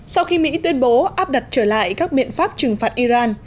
sau khi mỹ tuyên bố áp đặt trở lại các biện pháp trừng phạt iran